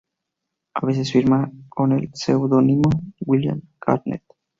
A veces firma con el seudónimo William Gardner.